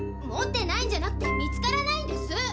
持ってないんじゃなくて見つからないんです。